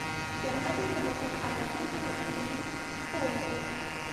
جنت د مؤمنانو ابدې او همیشنی کور دی .